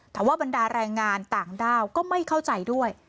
แต่ว่าบรรดาแรงงานต่างด้าวก็ไม่เข้าใจด้วย